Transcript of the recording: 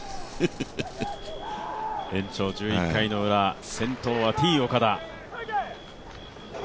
延長１１回のウラ、先頭はＴ−岡田。